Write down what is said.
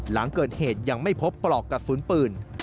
หลังเกิดเหตุยังไม่พบปลอกกระสุนปืน